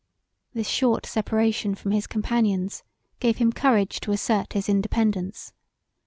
This short seperation from his companions gave him courage to assert his independance.